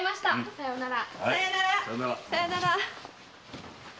さようなら。